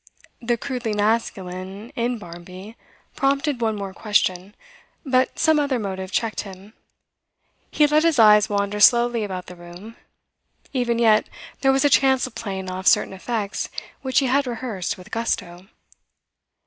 The crudely masculine in Barmby prompted one more question, but some other motive checked him. He let his eyes wander slowly about the room. Even yet there was a chance of playing off certain effects which he had rehearsed with gusto.